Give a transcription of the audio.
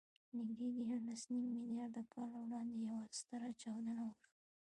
نږدې دیارلسنیم میلیارده کاله وړاندې یوه ستره چاودنه وشوه.